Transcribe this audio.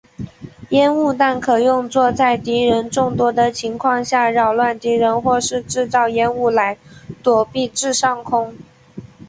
烟雾弹可用作在敌人众多的情况下扰乱敌人或是制造烟雾来躲避至上空。